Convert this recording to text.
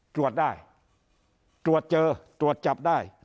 ตรวจได้ตรวจเจอตรวจจับได้